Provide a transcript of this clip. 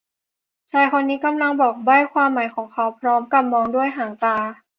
ชายคนนี้กำลังบอกใบ้ความหมายของเขาพร้อมกับมองด้วยหางตา